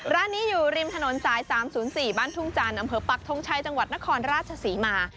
ร้านนี้อยู่ริมถนนสาย๓๐๔บ้านทุ่งจันทร์อำเภอปักทงชัยจังหวัดนครราชศรีมา